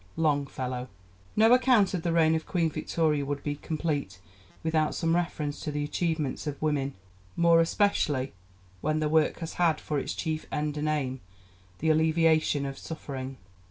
LONGFELLOW No account of the reign of Queen Victoria would be complete without some reference to the achievements of women, more especially when their work has had for its chief end and aim the alleviation of suffering.